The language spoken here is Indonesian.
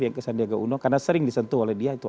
yang ke sandiaga uno karena sering disentuh oleh dia itu